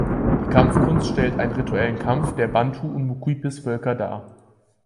Die Kampfkunst stellt einen rituellen Kampf der Bantu- und Mucupis-Völker dar.